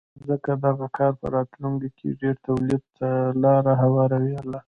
ځکه دغه کار په راتلونکې کې ډېر تولید ته لار هواروله